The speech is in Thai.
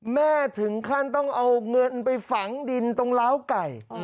แม่ถึงขั้นต้องเอาเงินไปฝังดินตรงล้าวไก่